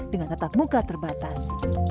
dengan tetap muka terbatas